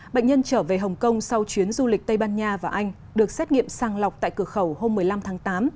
bệnh nhân trở về hồng kông sau chuyến du lịch tây ban nha và anh được xét nghiệm sang lọc tại cửa khẩu hôm một mươi năm tháng tám